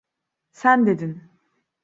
Sen dedin.